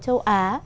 ở châu á